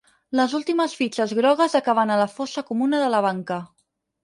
Les últimes fitxes grogues acaben a la fossa comuna de la banca.